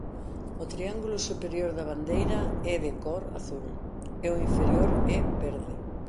O triángulo superior da bandeira é de cor azul e o inferior é verde.